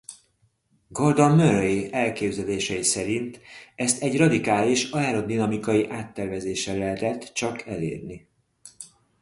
Gordon Murray elképzelései szerint ezt egy radikális aerodinamikai áttervezéssel lehetett csak elérni.